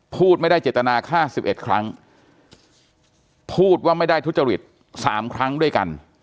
พูดไม่ได้เจตนาฆ่า๑๑ครั้งพูดว่าไม่ได้ทุจริต๓ครั้งด้วยกัน